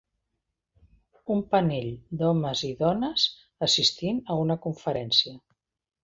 Un panell d'homes i dones assistint a una conferència.